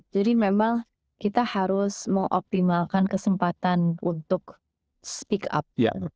jadi memang kita harus mengoptimalkan kesempatan untuk speak up